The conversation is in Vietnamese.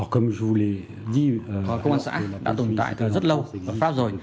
công an xã đã tồn tại từ rất lâu ở pháp rồi